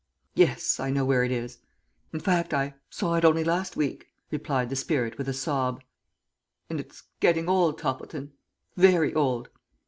"Yes, I know where it is. In fact I saw it only last week," replied the spirit with a sob, "and it's getting old, Toppleton, very old.